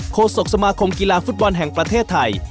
โศกสมาคมกีฬาฟุตบอลแห่งประเทศไทย